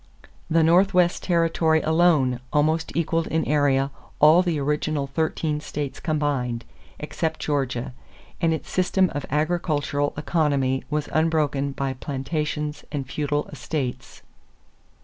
The Northwest territory alone almost equaled in area all the original thirteen states combined, except Georgia, and its system of agricultural economy was unbroken by plantations and feudal estates.